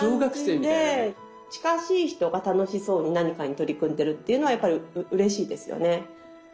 近しい人が楽しそうに何かに取り組んでるっていうのはやっぱりうれしいですよね。